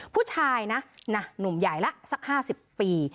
ผู้ชายนะน่ะหนุ่มใหญ่ละสักห้าสิบปี